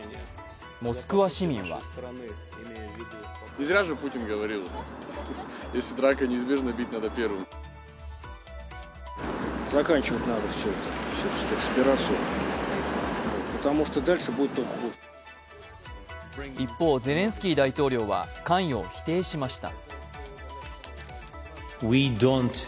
モスクワ市民は一方、ゼレンスキー大統領は関与を否定しました。